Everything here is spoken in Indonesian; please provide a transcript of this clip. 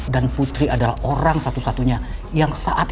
dan putri adalah orang satu satunya yang saatnya